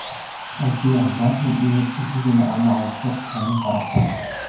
— Әлфиә, бар һин инеп, ике генә алма алып сыҡ, ә мин ҡарап торам.